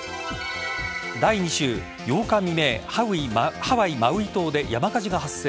第２週８日未明ハワイ・マウイ島で山火事が発生。